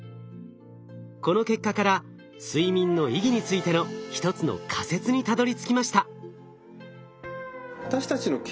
この結果から睡眠の意義についての一つの仮説にたどりつきました。